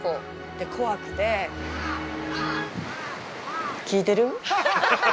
で、怖くて聞いてる？